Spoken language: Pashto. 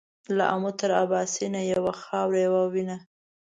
له آمو تر اباسینه یوه خاوره یو وینه